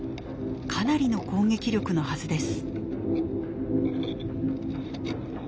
かなりの攻撃力のはずです。